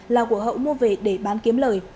là của hậu mua về để bán kiếm lời